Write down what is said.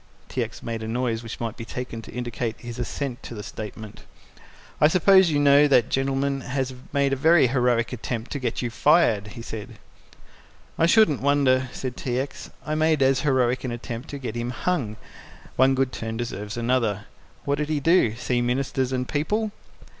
T. X. made a noise which might be taken to indicate his assent to the statement. "I suppose you know that gentleman has made a very heroic attempt to get you fired," he said. "I shouldn't wonder," said T. X. "I made as heroic an attempt to get him hung, and one good turn deserves another. What did he do? See ministers and people?"